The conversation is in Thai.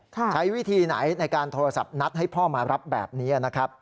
ใช้วิธีไหนในการโทรศัพท์นัดให้พ่อมารับแบบนี้นะครับ